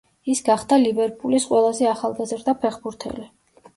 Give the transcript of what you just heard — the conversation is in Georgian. ის გახდა „ლივერპულის“ ყველაზე ახალგაზრდა ფეხბურთელი.